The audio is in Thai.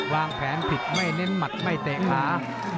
วางแผนผิดไม่เน้นหมัดไม่เตะขา